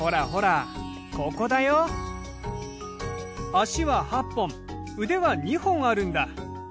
足は８本腕は２本あるんだ。